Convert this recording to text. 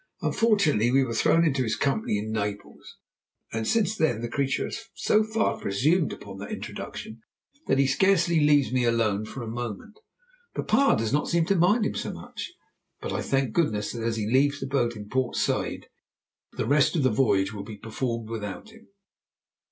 Unfortunately we were thrown into his company in Naples, and since then the creature has so far presumed upon that introduction, that he scarcely leaves me alone for a moment. Papa does not seem to mind him so much, but I thank goodness that, as he leaves the boat in Port Said, the rest of the voyage will be performed without him."